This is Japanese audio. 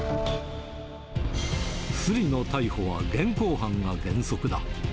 すりの逮捕は現行犯が原則だ。